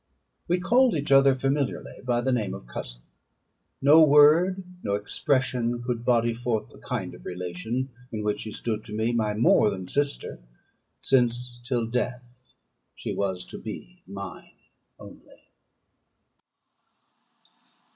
We called each other familiarly by the name of cousin. No word, no expression could body forth the kind of relation in which she stood to me my more than sister, since till death she was to be mine only.